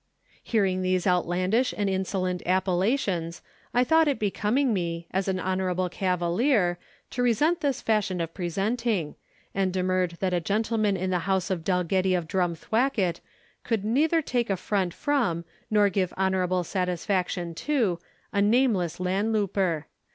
Hearing these outlandish and insolent appellations, I thought it becoming me, as an honourable cavalier, to resent this fashion of presenting: and demurred that a gentleman of the House of Dalgetty of Drumthwacket could neither take affront from, nor give honourable satisfaction to, a nameless landlouper.